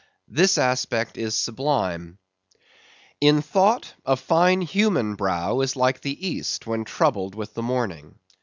This aspect is sublime. In thought, a fine human brow is like the East when troubled with the morning.